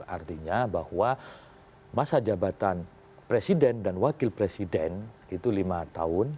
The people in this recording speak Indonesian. artinya bahwa masa jabatan presiden dan wakil presiden itu lima tahun